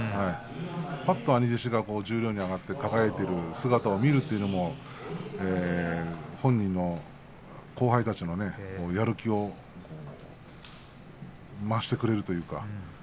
ぱっと兄弟子が十両に上がっていく姿を見るというのも後輩たちのやる気を増してくれるというか。